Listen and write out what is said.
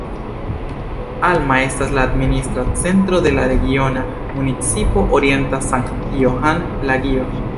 Alma estas la administra centro de la Regiona Municipo Orienta Sankt-Johan-Lagio.